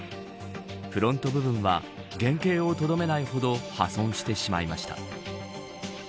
フロント部分は原形をとどめないほど破損してしまいました。